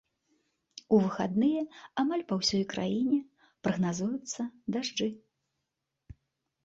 У выхадныя амаль па ўсёй краіне прагназуюцца дажджы.